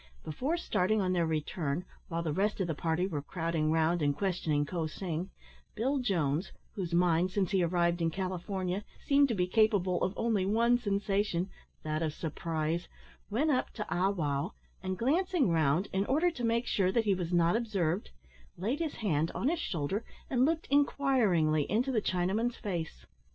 Before starting on their return, while the rest of the party were crowding round and questioning Ko sing, Bill Jones whose mind since he arrived in California seemed to be capable of only one sensation, that of surprise went up to Ah wow, and glancing round, in order to make sure that he was not observed, laid his hand on his shoulder, and looked inquiringly into the Chinaman's face.